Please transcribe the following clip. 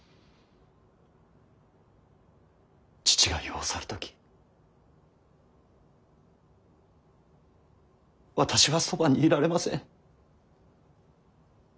父が世を去る時私はそばにいられません。